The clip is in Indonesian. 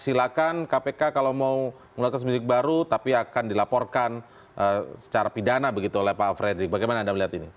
silahkan kpk kalau mau melakukan seminggu baru tapi akan dilaporkan secara pidana begitu oleh pak fredrik bagaimana anda melihat ini